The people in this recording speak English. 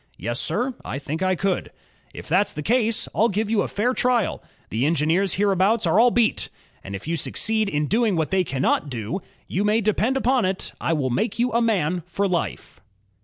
"Yes, sir, I think I could." "If that's the case, I'll give you a fair trial. ... The engineers hereabouts are all beat; and if you succeed in doing what they cannot do, you may depend upon it, I will make you a man for life."